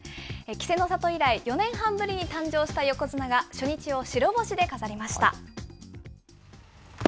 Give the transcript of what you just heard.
稀勢の里以来、４年半ぶりに誕生した横綱が、初日を白星で飾りました。